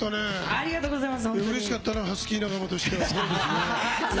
ありがとうございます。